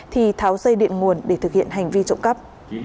thì tháo dây điện nguồn để thực hiện hành vi trộm cắp